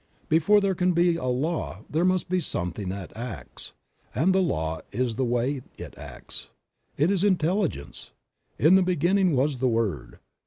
Before there can be a Law there must be something that acts, and the Law is the way it acts ; it is intelligence. "In the beginning was the Word."